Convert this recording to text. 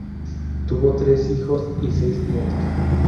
Tuvo tres hijos y seis nietos.